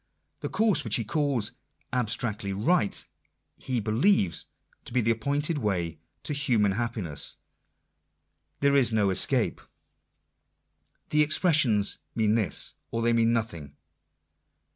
The course which he calls " abstractedly right," he believes to be the appointed way to human happiness. There is no escape. The expressions mean this, or they mean nothing.